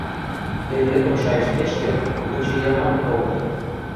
Йӹрнӹкӹм шайыштмешкӹ, лучи ямакым колты...